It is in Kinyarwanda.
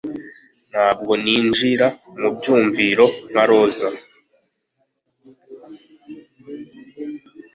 ntabwo yinjira mubyumviro nka roza